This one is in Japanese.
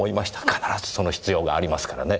必ずその必要がありますからね。